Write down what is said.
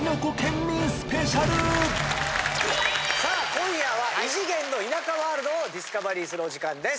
今夜は異次元の田舎ワールドをディスカバリーするお時間です。